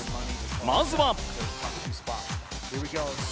まずは。